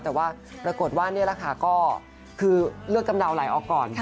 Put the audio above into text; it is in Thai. แต่ว่าปรากฏว่านี่แหละค่ะก็คือเลือดกำเดาไหลออกก่อน